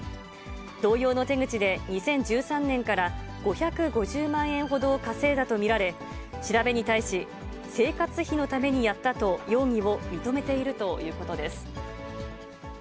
同様の手口で２０１３年から５５０万円ほどを稼いだと見られ、調べに対し、生活費のためにやったと、容疑を認めているということです。